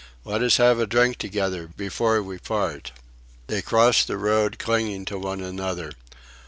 "Let us have a drink together before we part." They crossed the road, clinging to one another.